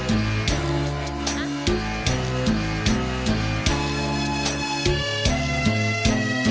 อินโทรลวงมาก